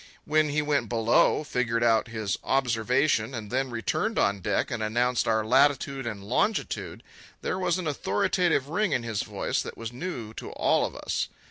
When he went below, figured out his observation, and then returned on deck and announced our latitude and longitude, there was an authoritative ring in his voice that was new to all of us.